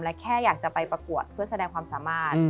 และแค่อยากจะไปประกวดเพื่อแสดงความสามารถ